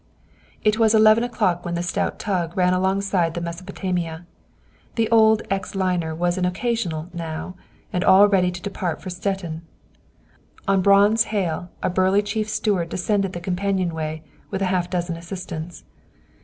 It was eleven o'clock when the stout tug ran alongside the 'Mesopotamia.' The old ex liner was an "occasional" now, and all ready to depart for Stettin. On Braun's hail, a burly chief steward descended the companionway, with a half dozen assistants.